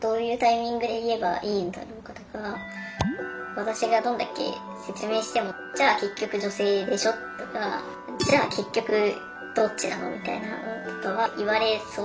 私がどんだけ説明してもじゃあ結局女性でしょとかじゃあ結局どっちなのみたいなのとかは言われそうな感じがして。